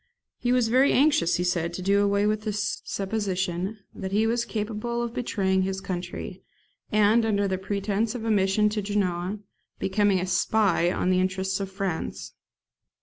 He was very anxious, he said, to do away with the supposition that he was capable of betraying his country, and, under the pretence of a mission to Genoa, becoming a SPY on the interests of France.